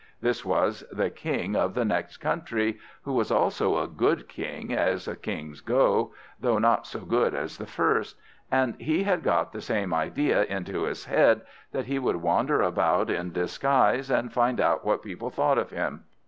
This was the King of the next country, who was also a good king as kings go, though not so good as the first; and he had got the same idea into his head, that he would wander about in disguise, and find out what people thought of him.